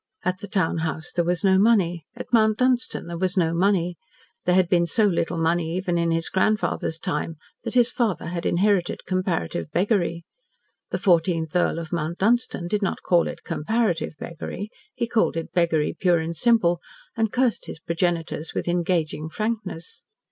At the town house there was no money, at Mount Dunstan there was no money. There had been so little money even in his grandfather's time that his father had inherited comparative beggary. The fourteenth Earl of Mount Dunstan did not call it "comparative" beggary, he called it beggary pure and simple, and cursed his progenitors with engaging frankness.